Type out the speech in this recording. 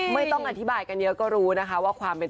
ไม่ต้องอธิบายกันเยอะก็รู้นะคะว่าความเป็น